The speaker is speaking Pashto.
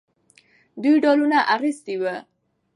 دوی ډالونه اخیستي وو.